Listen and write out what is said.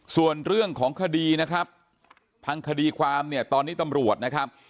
ส่วนเรื่องของคดีนะครับทางคดีความเนี่ยตอนนี้ตำรวจนะครับ